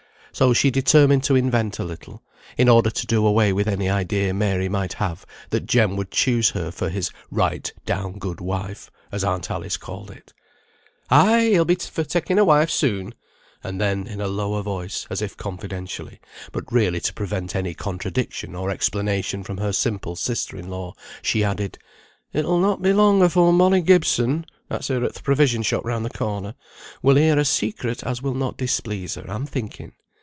So she determined to invent a little, in order to do away with any idea Mary might have that Jem would choose her for "his right down good wife," as aunt Alice called it. "Ay, he'll be for taking a wife soon," and then, in a lower voice, as if confidentially, but really to prevent any contradiction or explanation from her simple sister in law, she added, "It'll not be long afore Molly Gibson (that's her at th' provision shop round the corner) will hear a secret as will not displease her, I'm thinking.